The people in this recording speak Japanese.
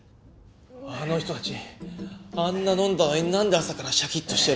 あの人たちあんな飲んだのになんで朝からシャキッとしてられるんだ？